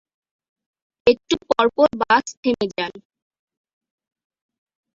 একটু পরপর বাস থেমে যায়।